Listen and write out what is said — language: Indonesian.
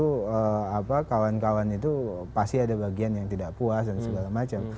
itu kawan kawan itu pasti ada bagian yang tidak puas dan segala macam